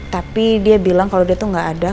tapi dia bilang kalau dia tuh gak ada